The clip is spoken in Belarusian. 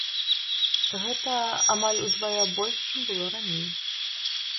Гэта амаль удвая больш, чым было раней.